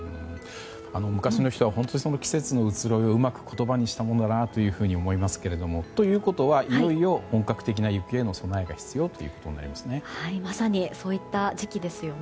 昔の人は本当に季節の移ろいをうまく言葉にしたものだなと思いますがということはいよいよ本格的な雪への備えが必要となりますね。